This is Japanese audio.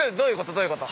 どういうこと？